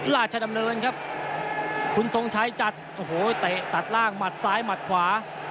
ราชดำเนินครับคุณทรงชัยจัดโอ้โหเตะตัดล่างหมัดซ้ายหมัดขวา